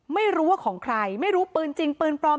ไม่รู้ว่าของใครไม่รู้ปืนจริงปืนปลอม